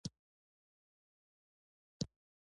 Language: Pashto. کاکړي خپلو مېلمنو ته درناوی کوي.